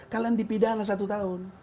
kalian dipidahkan satu tahun